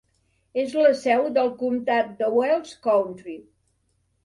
És la seu del comtat de Wells County.